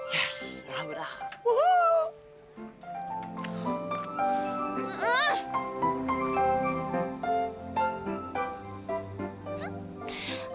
yes berah berah wuhuuu